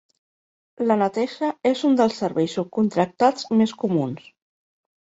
La neteja és un dels serveis subcontractats més comuns.